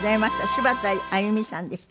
柴田あゆみさんでした。